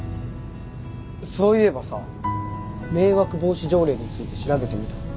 そういえばさ迷惑防止条例について調べてみた？